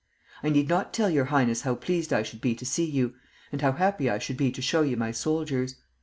I need not tell your Highness how pleased I should be to see you, and how happy I should be to show you my soldiers.